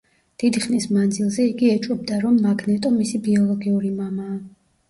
დიდი ხნის მანძილზე იგი ეჭვობდა, რომ მაგნეტო მისი ბიოლოგიური მამაა.